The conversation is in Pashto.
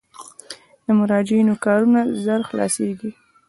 د مراجعینو کارونه ژر خلاصیږي؟